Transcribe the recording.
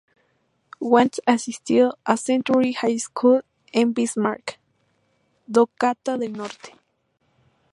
Wentz asistió a Century High School en Bismarck, Dakota del Norte.